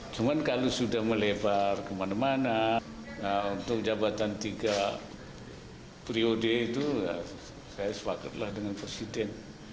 cuma kalau sudah melebar kemana mana untuk jabatan tiga periode itu saya sepakatlah dengan presiden